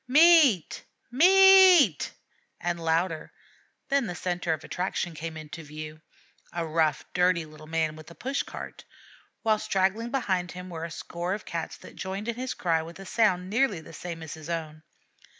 "Meat! Meat!" and louder; then the centre of attraction came in view a rough, dirty little man with a push cart; while straggling behind him were a score of Cats that joined in his cry with a sound nearly the same as his own.